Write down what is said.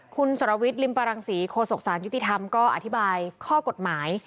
คุณสรวิทย์ริมปรังศรีโคศกสารยุติธรรมก็อธิบายข้อกฎหมาย